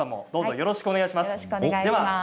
よろしくお願いします。